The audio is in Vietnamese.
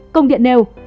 công điện nêu